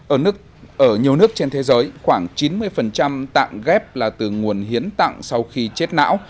ở nhiều nước trên thế giới khoảng chín mươi tạng ghép là từ nguồn hiến tặng sau khi chết não